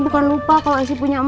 kenapa ama dikunciin